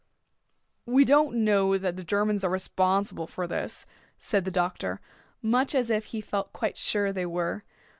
"We don't know that the Germans are responsible for this," said the doctor much as if he felt quite sure they were.